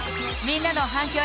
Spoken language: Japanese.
みんなの反響